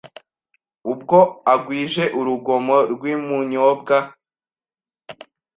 Ubwo agwije urugomo rw'i Munyobwa